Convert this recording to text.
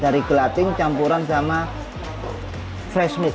dari gelatin campuran sama fresh milk